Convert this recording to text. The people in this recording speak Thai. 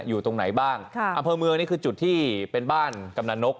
อยู่ตรงไหนบ้างอำเภอเมืองนี่คือจุดที่เป็นบ้านกำนันนก